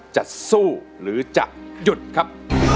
จะสู้หรือจะหยุดครับ